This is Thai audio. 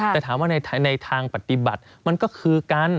แต่ถามว่าในทางปฏิบัติมันก็คือกัน